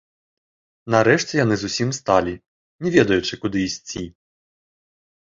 Нарэшце яны зусім сталі, не ведаючы куды ісці.